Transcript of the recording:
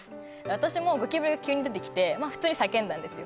私もゴキブリ急に出てきてまあ普通に叫んだんですよ